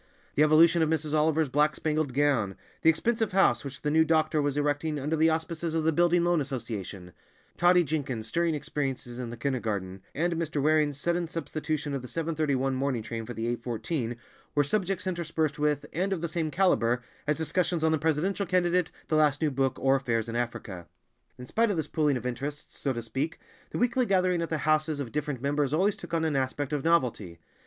The evolution of Mrs. Oliver's black spangled gown, the expensive house which the new doctor was erecting under the auspices of the Building Loan Association, Totty Jenkins' stirring experiences in the kindergarten, and Mr. Waring's sudden substitution of the seven thirty one morning train for the eight fourteen, were subjects interspersed with, and of the same calibre, as discussions on the presidential candidate, the last new book, or affairs in Africa. In spite of this pooling of interests, so to speak, the weekly gathering at the houses of different members always took on an aspect of novelty.